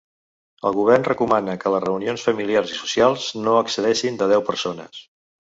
El govern recomana que les reunions familiars i socials no excedeixin de deu persones.